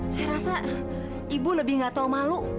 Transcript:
saya rasa ibu lebih nggak tahu malu